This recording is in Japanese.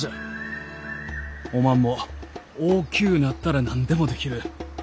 おまんも大きゅうなったら何でもできる。